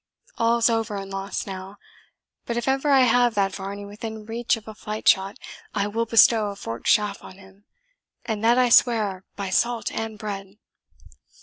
All's over and lost now. But if ever I have that Varney within reach of a flight shot, I will bestow a forked shaft on him; and that I swear by salt and bread."